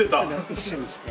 一緒にして。